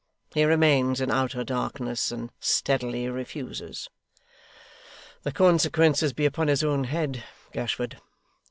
He remains in outer darkness and steadily refuses.' 'The consequences be upon his own head! Gashford!